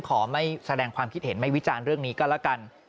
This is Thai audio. ขอไม่แสดงความคิดเห็นไม่วิจารณ์เรื่องนี้ก็แล้วกัน